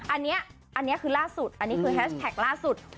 อันเนี่ยคือล่าสุดอันนี้คือแฮชแทกล่าสุด